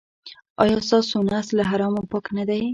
ایا ستاسو نس له حرامو پاک نه دی؟